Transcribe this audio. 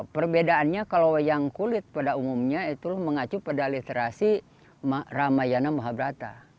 perbedaannya kalau yang kulit pada umumnya itu mengacu pada literasi ramayana mahabrata